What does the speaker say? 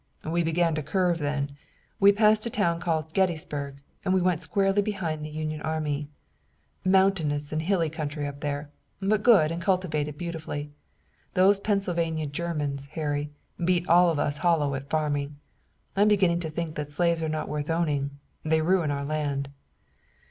"We began to curve then. We passed a town called Gettysburg, and we went squarely behind the Union army. Mountainous and hilly country up there, but good and cultivated beautifully. Those Pennsylvania Germans, Harry, beat us all hollow at farming. I'm beginning to think that slaves are not worth owning. They ruin our land."